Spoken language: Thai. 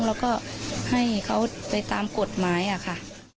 แล้วก็ให้เขาไปตามกฎหมายอะค่ะ